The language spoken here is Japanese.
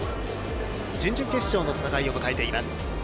準々決勝の戦いを迎えています。